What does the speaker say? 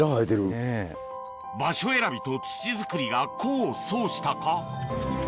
場所選びと土作りが功を奏したか？